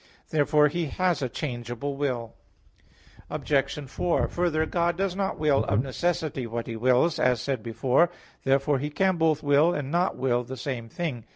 Therefore He has a changeable will. Obj. 4: Further, God does not will of necessity what He wills, as said before (A. 3). Therefore He can both will and not will the same thing.